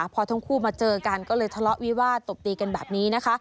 พอทั้งคู่เจอกันก็ฮร่อตกปีกันแบบนี้